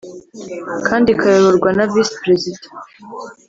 kandi ikayoborwa na Visi Perezida